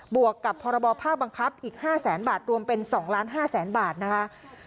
วกกับพรบผ้าบังคับอีก๕แสนบาทรวมเป็น๒๕๐๐๐๐บาทนะคะ